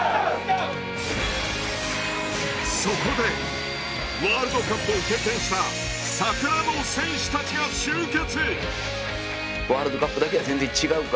そこでワールドカップを経験した桜の戦士たちが集結。